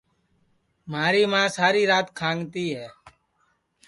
مھاری ماں ساری رات کھانٚگتی ہے